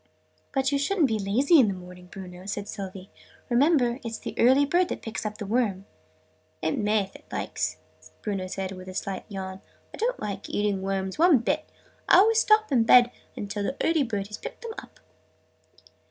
"But you shouldn't be lazy in the morning, Bruno," said Sylvie. "Remember, it's the early bird that picks up the worm!" "It may, if it likes!" Bruno said with a slight yawn. "I don't like eating worms, one bit. I always stop in bed till the early bird has picked them up!"